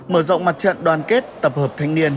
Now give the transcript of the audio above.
mở rộng mặt trận đoàn kết tập hợp thanh niên